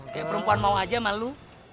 kayak perempuan mau aja sama lo